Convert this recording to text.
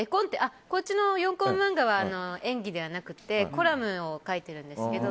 こっちの４コマ漫画は演技ではなくてコラムを書いているんですけど。